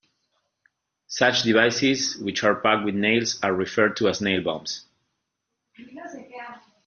Such devices which are packed with nails are referred to as nail bombs.